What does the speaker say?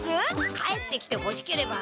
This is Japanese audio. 帰ってきてほしければ。